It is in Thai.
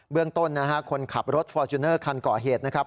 เรื่องต้นนะฮะคนขับรถฟอร์จูเนอร์คันก่อเหตุนะครับ